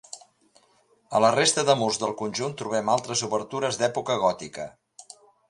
A la resta de murs del conjunt trobem altres obertures d'època gòtica.